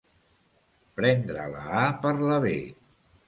Prendre la a per la be.